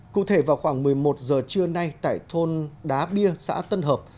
cụ thể vào khoảng một mươi một giờ trưa nay tại thôn đá bia xã tân hợp